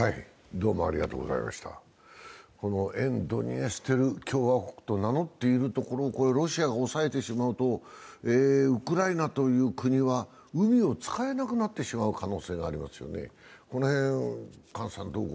沿ドニエストル共和国と名乗っているところをロシアが押さえてしまうと、ウクライナという国は海を使えなくなってしまう可能性がありますよね。